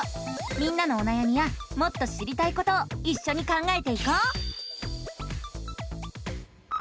みんなのおなやみやもっと知りたいことをいっしょに考えていこう！